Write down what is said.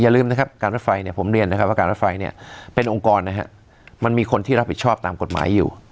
ลืมนะครับการรถไฟเนี่ยผมเรียนนะครับว่าการรถไฟเนี่ยเป็นองค์กรนะฮะมันมีคนที่รับผิดชอบตามกฎหมายอยู่